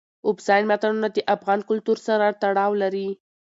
اوبزین معدنونه د افغان کلتور سره تړاو لري.